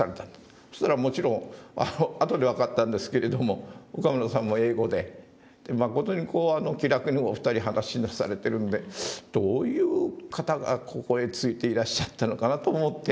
そしたらもちろん後で分かったんですけれども岡村さんも英語で誠にこう気楽にお二人話しなされてるんでどういう方がここへ付いていらっしゃったのかなと思って。